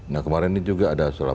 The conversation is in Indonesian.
nah kemarin ini juga ada surat